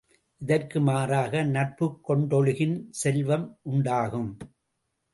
இதற்கு மாறாக நட்புக் கொண்டொழுகின் செல்வம் உணடாகும.